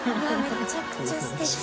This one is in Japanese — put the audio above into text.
めちゃくちゃすてき。